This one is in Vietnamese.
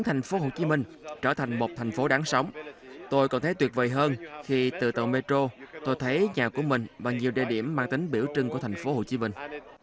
tôi còn thấy tuyệt vời hơn khi từ tàu metro tôi thấy nhà của mình bằng nhiều địa điểm mang tính biểu trưng của thành phố hồ chí minh